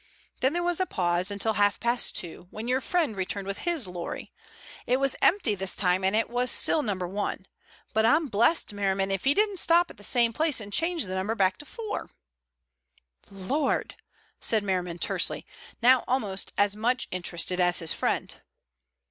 Then there was a pause until half past two, when your friend returned with his lorry. It was empty this time, and it was still No. 1. But I'm blessed, Merriman, if he didn't stop at the same place and change the number back to 4!" "Lord!" said Merriman tersely, now almost as much interested as his friend.